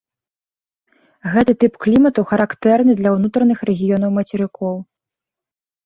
Гэты тып клімату характэрны для ўнутраных рэгіёнаў мацерыкоў.